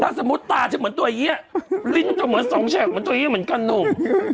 ถ้าสมมติตาจะเหมือนตัวเหี้ยลิ้นจะเหมือน๒แชกมันตัวเหี้ยเหมือนกันนุ่ม